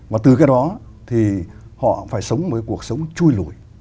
và từ cái đó thì họ phải sống một cuộc sống chui lùi